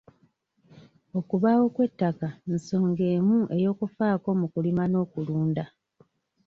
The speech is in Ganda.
Okubaawo kw'ettaka nsonga emu ey'okufaako mu kulima n'okulunda.